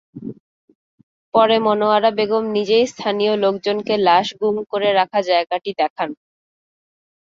পরে মনোয়ারা বেগম নিজেই স্থানীয় লোকজনকে লাশ গুম করে রাখা জায়গাটি দেখান।